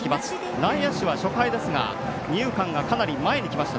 内野手は初回ですが二遊間、かなり前に来ました。